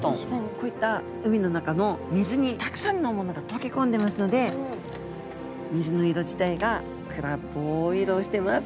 こういった海の中の水にたくさんのものが溶け込んでますので水の色自体が暗っぽい色をしてます。